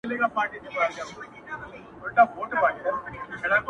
هر میدان یې په مړانه وي گټلی-